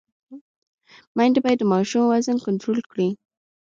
میندې باید د ماشوم وزن کنټرول کړي۔